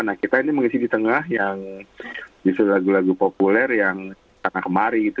nah kita ini mengisi di tengah yang justru lagu lagu populer yang sangat kemari gitu